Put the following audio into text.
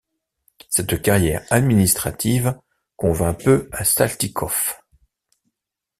Cette carrière administrative convient peu à Saltykov.